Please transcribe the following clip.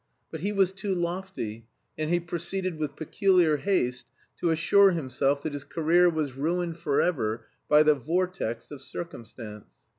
But he was too lofty, and he proceeded with peculiar haste to assure himself that his career was ruined forever "by the vortex of circumstance."